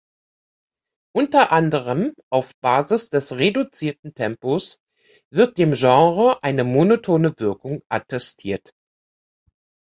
Unter anderem auf Basis des reduzierten Tempos wird dem Genre eine monotone Wirkung attestiert.